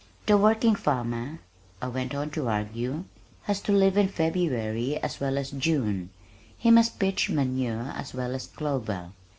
"The working farmer," I went on to argue, "has to live in February as well as June. He must pitch manure as well as clover.